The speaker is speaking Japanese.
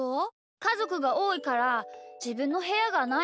かぞくがおおいからじぶんのへやがないし。